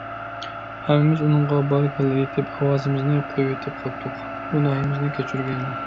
ھەممىمىز ئۇنىڭغا بارىكاللاھ ئېيتىپ، ئاۋازىمىزنى قويۇۋېتىپ قاپتۇق. گۇناھىمىزنى كەچۈرگەيلا!